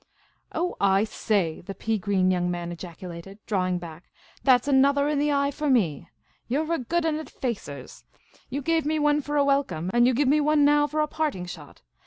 " Oh, I say," the pea green young man ejaculated, draw ing back ;" that 's anothah in the eye for me. You 're a good 'un at facers. You gav^e me one for a welcome, and you give me one now for a parting shot.